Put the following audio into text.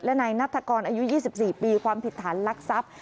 และนายนัฐกรอายุ๒๔ปีความผิดฐานลักทรัพย์